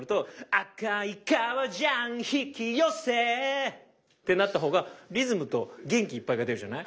「赤い皮ジャン引き寄せ」ってなったほうがリズムと元気いっぱいが出るじゃない？